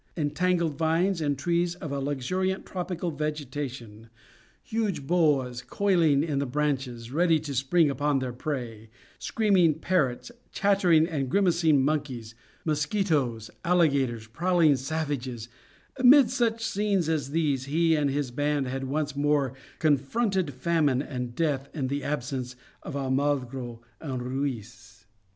Entangled vines and trees of a luxuriant tropical vegetation, huge boas coiling in the branches, ready to spring upon their prey, screaming parrots, chattering and grimacing monkeys, mosquitoes, alligators, prowling savages, amid such scenes as these he and his band had once more confronted famine and death in the absence of Almagro and Ruiz.